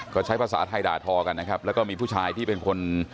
ก็ใช้ภาษาไทยด่าทอกันนะครับแล้วก็มีผู้ชายที่เป็นคน